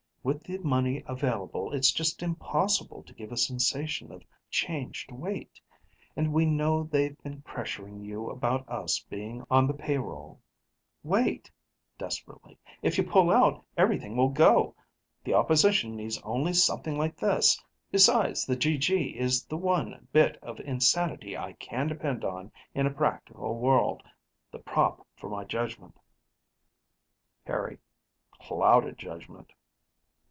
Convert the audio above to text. With the money available, it's just impossible to give a sensation of changed weight. And we know they've been pressuring you about us being on the payroll." "Wait" desperately "if you pull out, everything will go. The opposition needs only something like this. Besides, the GG is the one bit of insanity I can depend on in a practical world, the prop for my judgment " Harry: "Clouded judgment."